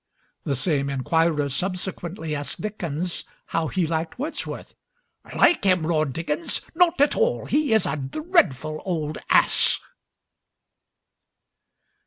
The same inquirer subsequently asked Dickens how he liked Wordsworth. "Like him!" roared Dickens, "not at all; he is a dreadful Old Ass!"